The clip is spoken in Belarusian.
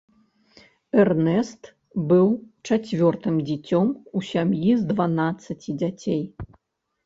Эрнэст быў чацвёртым дзіцём у сям'і з дванаццаці дзяцей.